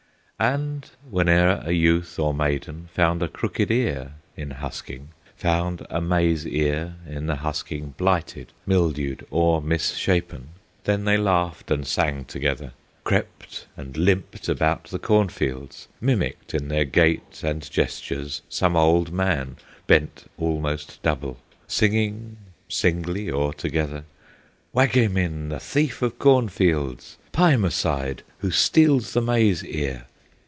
And whene'er a youth or maiden Found a crooked ear in husking, Found a maize ear in the husking Blighted, mildewed, or misshapen, Then they laughed and sang together, Crept and limped about the cornfields, Mimicked in their gait and gestures Some old man, bent almost double, Singing singly or together: "Wagemin, the thief of cornfields! Paimosaid, who steals the maize ear!"